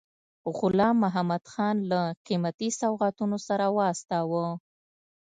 غلام محمدخان له قیمتي سوغاتونو سره واستاوه.